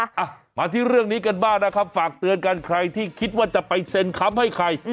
อ่ะมาที่เรื่องนี้กันบ้างนะครับฝากเตือนกันใครที่คิดว่าจะไปเซ็นค้ำให้ใคร